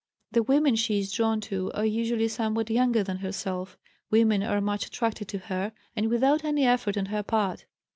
The women she is drawn to are usually somewhat younger than herself. Women are much attracted to her, and without any effort on her part.